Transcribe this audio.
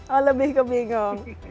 oh lebih kebingung